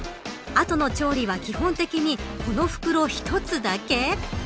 後の調理は基本的にこの袋１つだけ。